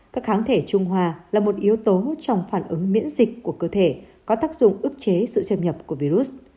các kháng thể trung hòa là một yếu tố trong phản ứng miễn dịch của cơ thể có tác dụng ước chế sự châm nhập của virus